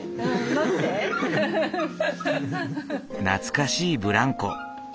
懐かしいブランコ。